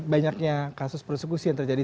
banyaknya kasus persekusi yang terjadi